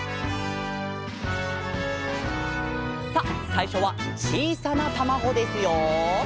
さっさいしょはちいさなたまごですよ。